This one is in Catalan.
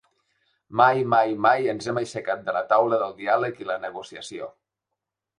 Mai, mai, mai ens hem aixecat de la taula del diàleg i la negociació.